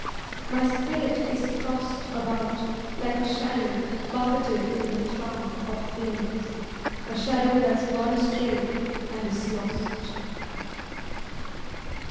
My spirit is tossed About like a shadow buffeted in the throng Of flames, a shadow that's gone astray, and is lost.